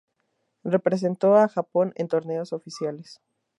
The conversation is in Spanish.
Representó a Japón en torneos oficiales.